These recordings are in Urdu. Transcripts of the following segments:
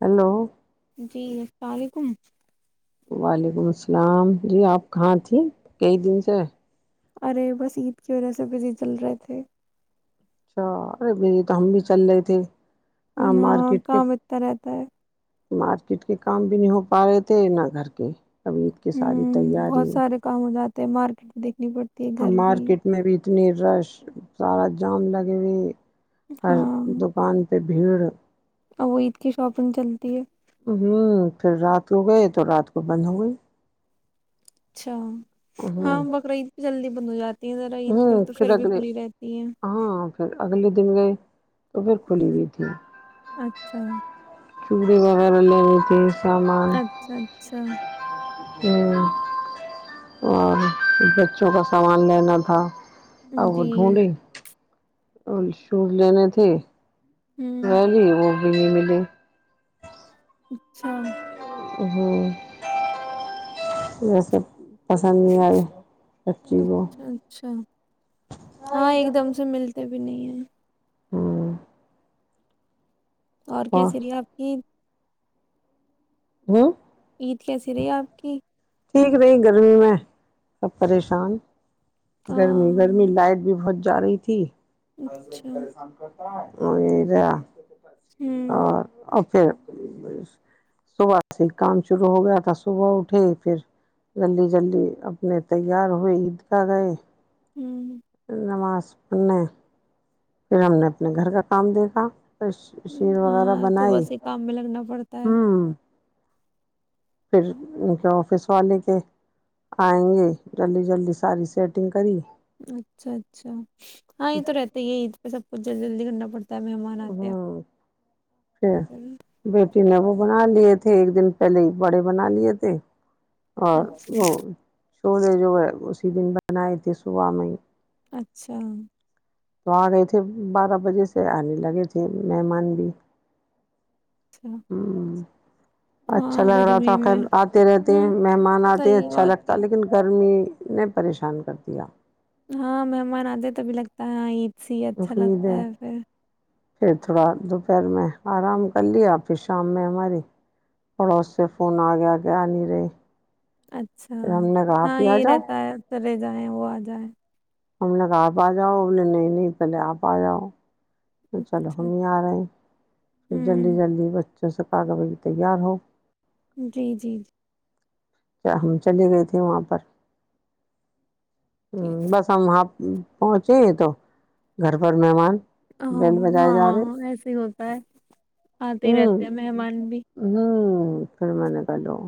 ہیلو جی السلام علیکم وعلیکم السلام جی آپ کہاں تھی کئی دن سے ارے بس عید کی وجہ سے پسے چل رہے تھے اچھا ارے میے تو ہم بھی چل رہے تھے ہاں مارکیٹ کے کام اتنا رہتا ہے مارکیٹ کے کام بھی نہیں ہو پا رہے تھے نہ گھر کے اب عید کی ساری ہوں بہت سارے کام ہو جاتے ہیں مارکیٹ دیک اور مارکیٹ میں بھی اتنی رش سارا جام لگے بھیئی ہر ہاں دکان پہ بھیڑ اور وہ عید کی شاپن چلتی ہے ہوں پھر رات ہو گئے تو رات کو بند ہو گئی اچھا ہوں ہاں بکرع جلدی دونوں یار ہوں پھر اگل ہیں ہاں پھر اگل دن گیں [unintelligible] تو پھر کھلی ہوئی تھی اچھا [unintelligible] چوڑی وغیرہ لےنےتے [unintelligible] اچھا اچھا ہ اور بچوں کا سامان لینا [unintelligible] ہاں [unintelligible] ا جی ڈھونڈ [unintelligible] اور شوز لینے تھے ہوں نہیں نہیں وہ ملے [unintelligible] اچھا [unintelligible] ہوں و سب [unintelligible] اچھا اچھا ہاں ایک دم سے ملتے [unintelligible] بھی نہیں ہے [unintelligible] ہوں [unintelligible] اور کیا س رہیے آپ کی ہوں عید کیسی رہی آپ کی [unintelligible] ٹھیک رہیں گرمی میں سب پریشان [unintelligible] ہاں گرمی گرمی لائٹ بھی بہت جا رہی تھی [unintelligible] ہزبینڈ اچھا پریشان کرتا ہے [unintelligible] اوریرا [unintelligible] ہوں اور [unintelligible] خ بس [unintelligible] صبح سے کام [unintelligible] شروع ہو گیا تھا صبح اٹھے پھر جلدی جلدی اپنے تیار ہوئے عیدگاہ گئے ہوں [unintelligible] نماز [unintelligible] ا [unintelligible] پھر ہم نے اپنے گھر کا [unintelligible] کام دیکھا [unintelligible] ہوں، شیر وغیرہ ہاں صبح بنائی سے کام میں لگنا پڑتا ہے ہوں [unintelligible] پھر ان کیا آفس والے کے آئیں گے جلدی جلدی ساری سیٹنگ کری اچھا اچھا ہاں یہ تو رہتے ہی عید پہ سب کو جل جلد کرنا پڑتا ہے مہمان آتے ہیں ہاں پھر بیٹی نہ ب بنا لیے تھے ایک دن پہلے ہی بڑے بنا لیے تھے ہ او اچھا شولے جو ہے اسی دن بنائے تھے صبح میں ہی اچھا تو آ کے ا تھے بارہ وجہ سے آنے لگے تھے مہمان بھی ہوں اچھا ہاں لگ رہا تھا گرمی میں خھر آتے رہتے ہیں ہوں مہمان آتے ہیں صحیح اچھا اور کیا لگتا لیکن گرمی نے پریشان کر دیا ہاں مہمان آتے تبھی لگتا ہےاں عید سےی اچھا لگتا ہے پھر پھر تھوڑا دوپہر میں آرام کر لیا آپھر شام میں ہماری پڑا اس سے فون آ گیا کہ آ نہیں رہی اچھا پھر ہم نے کہا آپ ہاں ہی آ یہ جاؤ رہتا ہے چلے جائیں وہ آج جائے ہم لوگ آپ آ جاؤ بولے نہیں نہیں پہلے آپ آ جاؤ چلو اچھا ہم ہی آ رہے ہیں پھر جلدی ہوں جلدی ب جسکا کہ بی تیار ہو جی جی جی کیا ہم چلے گئے تھے وہاں پر ہ جی بس ہم پہنچے یہ تو گھر پر مہمان ہاں بیل ہاں بجائے جا رہے ہاں ایسے ہی ہوتا ہے آتے ہ ہی رہتے ہیں مہمان بھی ہ پھر میں نے کہلوں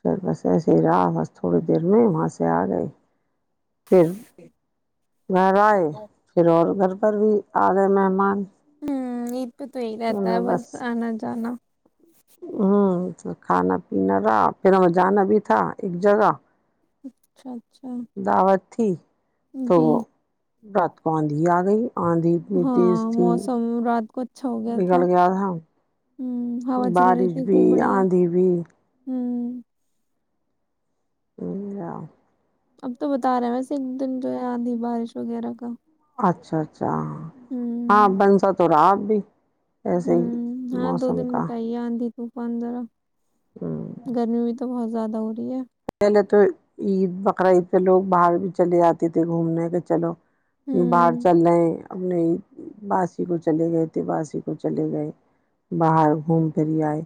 پھر بس ایسے ہی رہا بس تھوڑی دیر میں وہاں سے آ گئے پھر گھر آئے پھر اور گھر پر بھی آ گئے مہمان ہوں یہ تو تو ہی رہتا ہے بس آنا جانا ہ کھانا پینا رہا پھر ہمیں جانا بھی تھا ایک جگہ اچھاچ دعوت پھی جی [inaudible] برات کوآاند ہی آ گئی [unintelligible] اتنی تیز ہاں تھی موسم رات کو اچھا ہو گیا تھا بگڑ تھا ہ ہوا چل رہی بارش تھی بھی خوب بڑھیا آندھی بھی ہوں [unintelligible] ا [inaudible] اب تو بتا رہے ہیں ویسے ایک دن جو ہے آیادھی بارش وغیرہ کا اچھا اچا [inaudible] اچھا ہوں ہاں بنس تووراپ [unintelligible] [inaudible] ہوں ہاں دو دن بتائیے آندھی تو پہلے [inaudible] گرمی بھی تو بہت [inaudible] پہلے تو عید بقرعید پہ لوگ باہر بھی چلے جاتتے تھے گھومنے کے چلو باہر ہوں چل رہے اپنے باسی کو چلے گئے تھے باسی کو چلے گئے باہر گھوم پھر آئے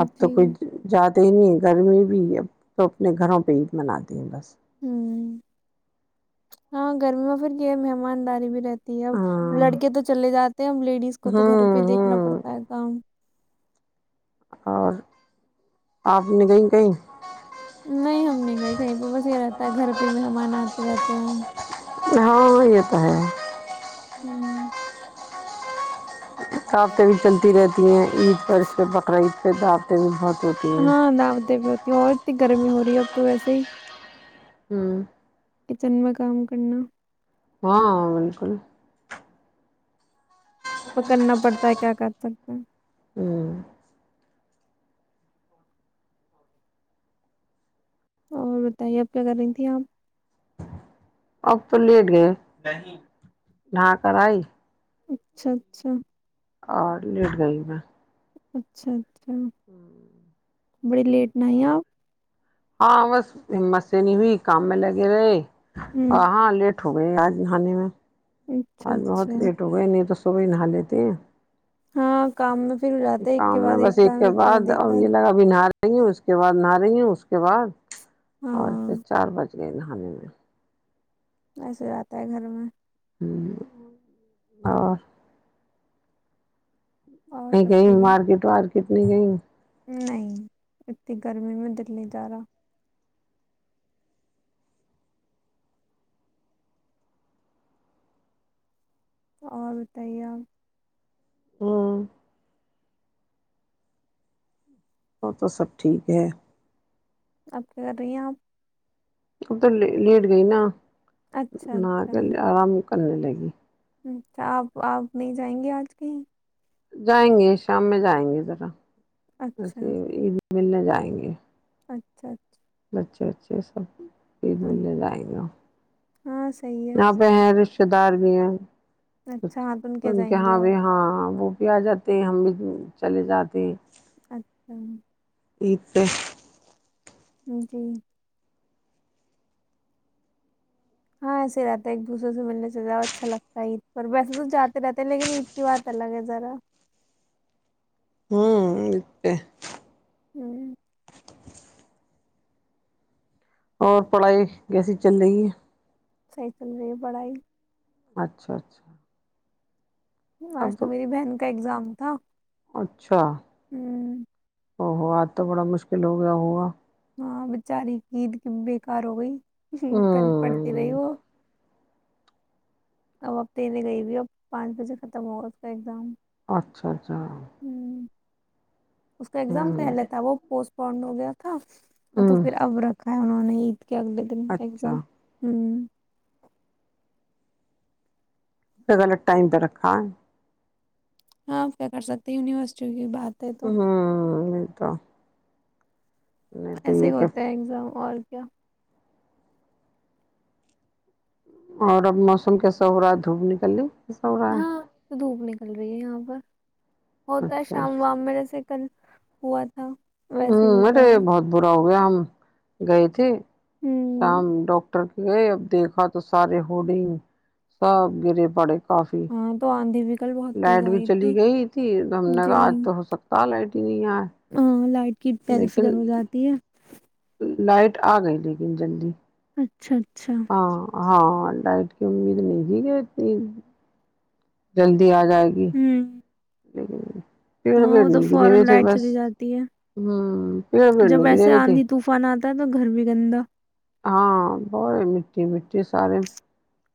اب تو جی کوئی جات نہیں گرمی بھی ہے ا تو اپنے گھروں پہ عید مناتی ہیں بس ہ ہاں گرمی میں پھر کیا مہمانداری بھی رہتی اب ہاں لڑکے تو چلے جاتے ہیں ا لیڈیز کو تو گھر پہ ہی ہوں دیکھنا ہوں پڑتا ہے کام اور آپ نے کہیں کہیں نہیں ہم نہیں گئی کہیں پہ بس یہ رہتا ہے گھر پہ مہمان آتے رہتے ہیں ہاں یہتا ہوں [inaudible] صاف تو بھی چلتی رہتی [unintelligible] ہیں عید پر اس پہ بکرا عید پہ دعوتیں بھی بہت [inaudible] ہاں دا د بھی ہو [inaudible] اور اتنی گرمی ہو رہی ہے اب تو ویسے ہی ہوں [inaudible] کچن میں کام کرنا [unintelligible] ہاں بالکل پکڑنا پڑتا ہے کیا کر پڑتا ہے [unintelligible] ہوں اور بتائیے اب کیا کر رہی تھی آپ [unintelligible] اب تو لیٹ گئے ڈا کر آئی [inaudible] اچھا اچھا [inaudible] اور لیٹ گئی میں [unintelligible] اچھا اچا [inaudible] کی [inaudible] بڑی لیٹ نہ آئی آپ [inaudible] ہاں بس ہمت سے نہیں ہوئی کام میں لگے رہے آ ہوں ہاں لیٹ ہو گئے آج نہانے میں [unintelligible] اچھا آج اچھا بہت لیٹ ہو گئے اینے تو تو بھی نہا لیتے ہیں [unintelligible] ہاں کام میں پھر ہو جاتے ایک کے کام میں بعد ایک کام ایک کے بعد ایک کام یں اس کے بعد نہاریں گی اس کے بعد [unintelligible] اور ہاں پھر چار بجے [unintelligible] ہم [unintelligible] ایسے جا ہے گھر میں اور [unintelligible] اور کہ سب کہیں ٹھیک مارکیٹ وارکیٹ کتنی گئیں [unintelligible] نہیں [unintelligible] اتنی گرمی میں دللی جا رہا اور بتائیے ہاں [unintelligible] وہ تو سب ٹھیک ہے [unintelligible] اب کیا کر رہی ہیں آپ اب تو لیٹ گئی نا اچھا نہ اچھا کے لیے آرام پنے لگی [unintelligible] ا توا آپ آپ نہیں جائیں گے آج کہیں [unintelligible] جائیں گے شام میں جائیں گے ذرا اچھا وسے بھی [unintelligible] ملنے جائیں گے [unintelligible] اچھا اچھا [unintelligible] اچھا اچھا سب [unintelligible] عید گ ہاں صحیح یہاں پہ ہے رت [unintelligible] دار میں ہیں اچھا ہاتھن [unintelligible] س جائیں کے گے ہاں آپ بھی ہاں وہ [unintelligible] بھی آ جاتے ہم بھی چلے جاتے ہیں [unintelligible] اچھا [unintelligible] ا تو [unintelligible] جی [unintelligible] ہاں ایسے رہتا ہے ایک دوسرے سے ملنے سے اچھا لگتا ہے عید پر ویسے تو جاتے رہتے ہیں لیکن عید کی بات الگ ہے ذرا [inaudible] ہوں اور پڑھائی گسیے چل رہی ہے سی تلرے بڑھائی اچھا اچھا آج تو میری بہن کا ایگزام [inaudible] اچھا ہوں او ہو آج تو بڑا مشکل ہو گیا ہوا ہاں بچاری عید کی بےکار ہو گئی ہوں کل پڑتی رہی ہوں ہو اب اب تیں گئی بھی اب پانچ بجے ختم ہوگا اس کا ایگزام اچھا اچھا ہ اس کا ایگزام ہوں پہلے تھا وہ پوسٹ پورڈ ہو گیا تھا تو ہوں پھر اب رکھا ہے انہوں نے [inaudible] کیا آگل تین اچھا ایگزام ہوں الگ الگ ٹائم پہ رکھا ہے ہاں آپ کیا کر سکتے ہیں یونیورسٹی کی بات ہے تو [inaudible] [inaudible] نہیں تو ایسے ہی یہ کیا ہوتا ہے ایگزام اور اکا اور اب موسم کیسا ہو رہا ہے دھوپ نکلنی ساورا چل بی ہے یہاں پر ہوتا ہے اچھا شم وام میں سے ہوا تھا ویسے ہی ہوں ہوتا میںرے ہے بہت برا ہو وہ ہم گئےتی ہ شام ڈاکٹر گئے اب دیکھا تو سارے ہوڈنگ سب گرے پڑے کافی ہاں تو آی بھی کل بہت تیز لائٹ بھی آئی چلی تھی گئی تھی ہم نے جی کہا آج تو ہو سکتا لائٹ [inaudible] ہاں لائٹ کی پیرف سے لیکن کرنی جاتی ہے ہ [inaudible] لائٹ آ گئی لیکن جلدی اچھا اچھا ہاں ہاں لائٹ کی امید نہیں تھی کہ اتنی جلدی آ جائے گی ہوں ج ہاں وہ تو فورن لائٹ چلی جاتی ہے ہوں پیڑ پیڑ جب نہیں گرے ایسے ہوئے تھے آندھی طوفان آتا ہے تو گھر بھی گندا ہاں بت مٹی مٹی سارے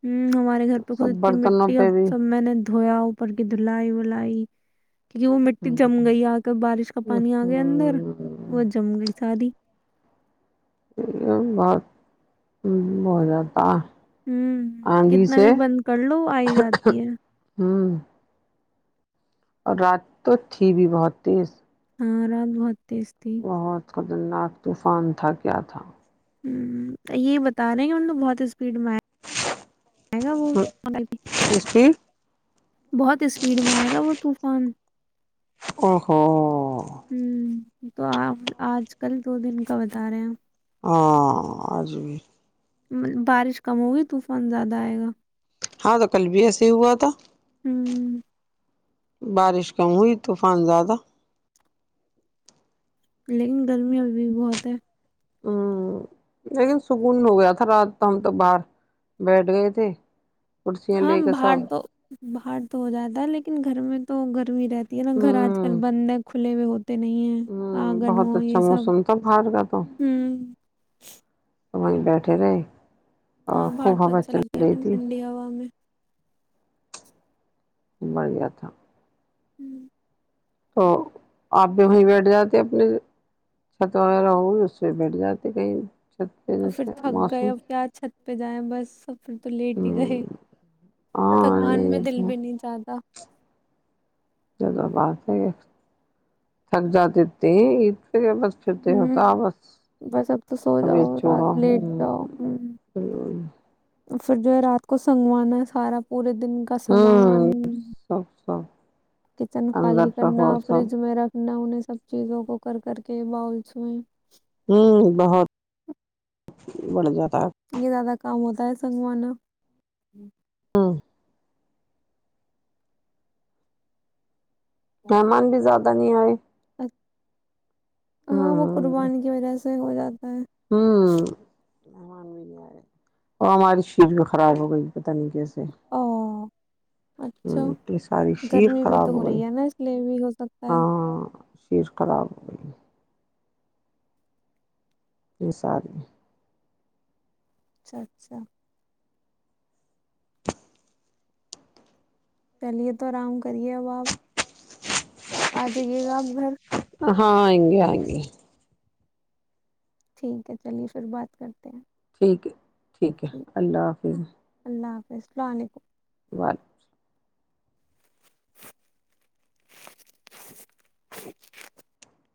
ہ ہمارے گھر پہ خود سب اتی برتنوں مٹی اب پہ بھی سب میں نے دویا اوپر کے دلائی ولائی کیونکہ وہ مٹی جم گئی آ کر بارش کا پانی آ گیا اندر وہ جم گئی ساری یہ بہت ہو جاتا ہوں آندھی کتنا بھی سے بند کر لو آئی جاتی ہے ہوں اور رات تو تھی بھی بہت تیز ہاں اورات بہت تیستی قدرناک طوفان تھا کیا تھا ہ یہ بتا رہے ہیں کہ ان لو بہت اسپیڈ میں ہے گا وہ ماڈل بھی اس کی بہت اسپیڈ میں آئے گا وہ طوفان اور ہو ہمم تو آپ آج کل دو دن کا بتا رہے ہیں ہاں آج بھی بارش کم ہوگی طوفان زیادہ آئے گا ہاں تو کل بھی ایسے ہی ہوا تھا ہوں بارش کم ہوئی طوفان زیادہ لیکن گرمی ابھی بھی بہت ہے ہوں [inaudible] لیکن سکون ہو گیا تھا رات تو ہم تو باہر بیٹھ گئے تھے کرسیاں ہاں لے کے باہر سب دو باہر تو ہو جاتا ہے لیکن گھر میں تو گ بھی رہتی ہے نا گھر آج کل ہوں بند ہے کھلے ہوئے ہوتے نہیں ہے ہوں آنگن بہت ہو یہ اچھا سب موسم تھا باہر کا ہ تو وہیں بیٹھے رہے ہاں اور باہر خوب تو ہوا اچھا چل لگتا رہی ہے تھی ٹھنڈی ہوا میں مڑ گیا تھا ہوں تو آپ بھی وہیں بیٹھ جاتے اپنی چھت وغیرہ ہوئی اس پ بیٹھ جاتے کہیں چھت پہ اور پھر جیسے تھک گئے موسم اور کیا چھت پہ جائےیں بس اب پھر تو لیٹ ہی گئے ہاں تھکان میں نہیں دل تو بھی نہیں جاہتا جدو بعد ہے تھک جااتتی یہہی بس چتے ہوں ہوتا بس بس اب تو سو ابھی جاؤ چوڑا رات ہو لیٹ جاؤ ہوں پھر جو ہے رات کو سنگوانا سارا پورے دن کا سامان ہوں سب سب کچن اندر خالی کرنا رہو سب فرج میں رکھنا انیں سب چیزوں کو کر کر کے باؤلس میں ہوں بہت بڑھ جاتا ہے یہ زیادہ کام ہوتا ہے سنگوانا واں مہمان بھی زیادہ نہیں آئے ہ ہاں وہ قربان کی وجہ سے ہو جاتا ہے ہوں مہمان بھی نہیں آ رہے اور ہماری شر بھی خراب ہو گئی پت نہیں کیسے سےی او اچھا شیر گرمی بھی خراب تو ہو گئی رہی ہے نا اس لیے بھی ہو سکتا ہے چییر خراب ہو ہے اسس آدمی اچھا اچھا چلیے تو آرام کریے اب آپ آ جائیے گا آپ گھر ہاں ہئیں گے آئیں گے ٹھیک ہے چلیے پھر بات کرتے ہیں ٹھیک ہے ٹھیک ہے اللہ حافظ ہیں وسٹ ل آنےیک بات [inaudible]